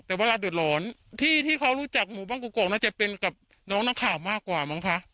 แต่เวลาเดือดร้อนที่เขารู้จักหมู่บ้านกรอกน่าจะเป็นกับน้องนักข่าวมากกว่ามั้งคะ